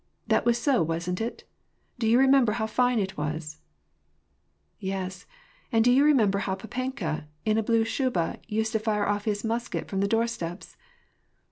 That was so, wasn't it ? Do you remember how fine it was ?"" Yes ; and do you remember how p^penka, in a blue shuba, used to fire off his musket from the doorsteps